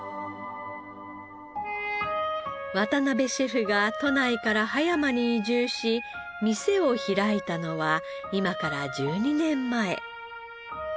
渡辺シェフが都内から葉山に移住し店を開いたのは今から１２年前。